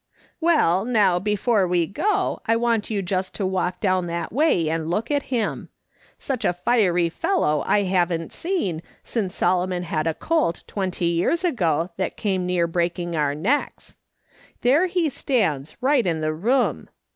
" Well, now before we go, I want you just to walk down that way and look at him. Such a fiery fellow I haven't seen since Solomon had a colt twenty years ago that came near breaking our necks. There he stands, right in the room.